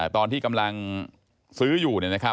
ตอนที่กำลังซื้ออยู่